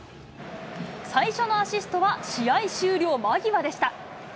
最初のアシストは試合終了間際でした。